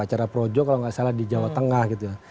acara projo kalau nggak salah di jawa tengah gitu ya